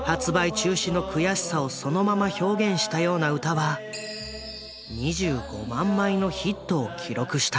中止の悔しさをそのまま表現したような歌は２５万枚のヒットを記録した。